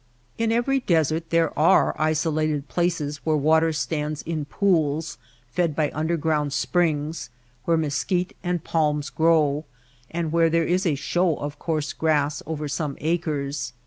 In every desert there are isolated places where water stands in pools, fed by under ground springs, where mesquite and palms grow, and where there is a show of coarse grass over some acres.